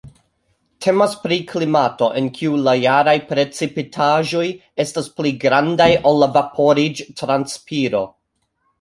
Temas pri klimato, en kiu la jaraj precipitaĵoj estas pli grandaj ol la vaporiĝ-transpiro.